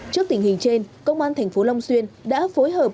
trước tình hình trên công an thành phố long xuyên đã phối hợp